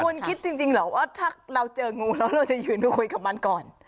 คุณคิดจริงเหรอว่าถ้าเราเจองูแล้วเราจะยืนคุยกับมันก่อน